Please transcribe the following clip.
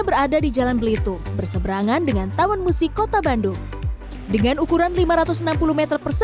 berada di jalan belitung berseberangan dengan taman musik kota bandung dengan ukuran lima ratus enam puluh m